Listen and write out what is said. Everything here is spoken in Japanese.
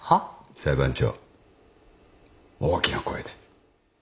裁判長大きな声で。